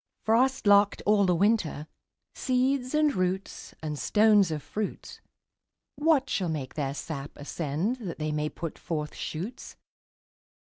Frost locked all the winter, Seeds, and roots, and stones of fruits, What shall make their sap ascend That they may put forth shoots?